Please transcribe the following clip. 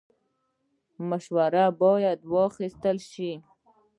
مشوره باید واخیستل شي